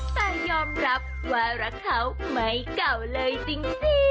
แต่ยอมรับว่ารักเขาไม่เก่าเลยจริง